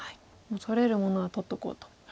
もう取れるものは取っとこうと。